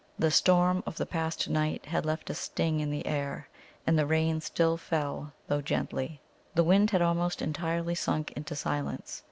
The storm of the past night had left a sting in the air, and the rain still fell, though gently. The wind had almost entirely sunk into silence.